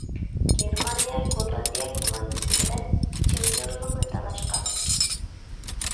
گېرمانىيە گوللاندىيە كوماندىسى بىلەن چېمپىيونلۇقنى تالاشقان.